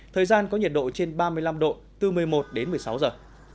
thời gian có nhiệt độ trên ba mươi năm độ từ một mươi một đến một mươi sáu giờ